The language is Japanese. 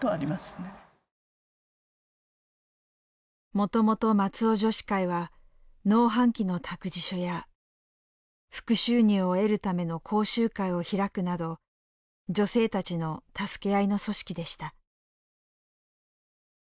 もともと松尾女子会は農繁期の託児所や副収入を得るための講習会を開くなど女性たちの助け合いの組織でした。